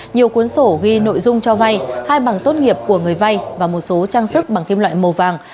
nhiều cuốn sổ ghi nội dung cho vay hai bằng tốt nghiệp của người vay và một số trang sức bằng kim loại màu vàng